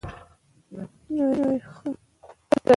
لوستې میندې د ماشوم پر ناروغۍ پوهه لري.